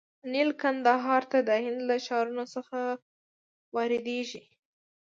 نیل کندهار ته د هند له ښارونو څخه واردیږي.